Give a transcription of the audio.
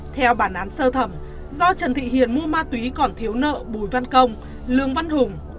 theo bản án sơ thẩm do trần thị hiền mua ma túy còn thiếu nợ bùi văn công lương văn hùng